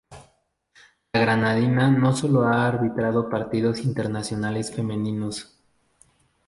La granadina no sólo ha arbitrado partidos internacionales femeninos.